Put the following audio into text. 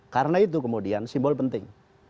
karena itu kemudian simbol penting